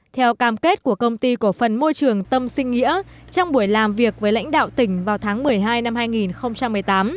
theo cam kết của công ty cổ phần môi trường tâm sinh nghĩa trong buổi làm việc với lãnh đạo tỉnh vào tháng một mươi hai năm hai nghìn một mươi tám